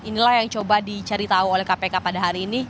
inilah yang coba dicari tahu oleh kpk pada hari ini